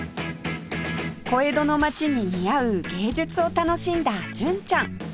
小江戸の街に似合う芸術を楽しんだ純ちゃん